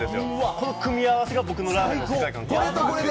この組み合わせが僕のラーメンの世界観を変えました。